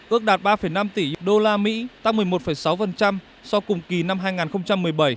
ước đạt ba năm tỷ usd tăng một mươi một sáu so với cùng kỳ năm hai nghìn một mươi bảy